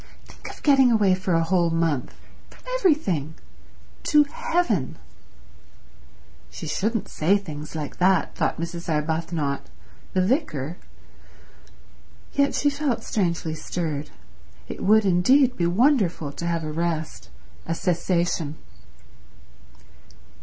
"Think of getting away for a whole month—from everything—to heaven—" "She shouldn't say things like that," thought Mrs. Arbuthnot. "The vicar—" Yet she felt strangely stirred. It would indeed be wonderful to have a rest, a cessation.